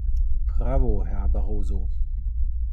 Bravo, Herr Barroso!